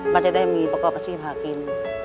มันจะได้มีประกอบอาชีพหากิน